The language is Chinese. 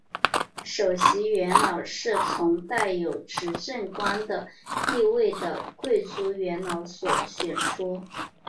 首席元老是从带有执政官的地位的贵族元老选出。